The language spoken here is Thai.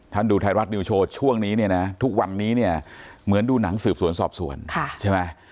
ดูไทยรัฐนิวโชว์ช่วงนี้เนี่ยนะทุกวันนี้เนี่ยเหมือนดูหนังสืบสวนสอบสวนใช่ไหม